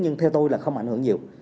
nhưng theo tôi là không ảnh hưởng nhiều